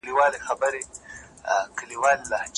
پخوانیو څېړونکو به ادبي تاریخ ډېر لوسته.